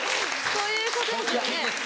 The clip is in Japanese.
そういうことですよね。